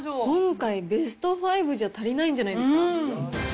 今回、ベスト５じゃ足りないんじゃないですか。